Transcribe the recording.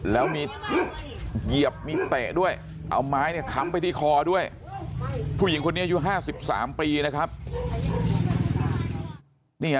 แล้วมีเหยียบมีเตะด้วยเอาไม้เนี่ยค้ำไปที่คอด้วยผู้หญิงคนนี้อายุ๕๓ปีนะครับ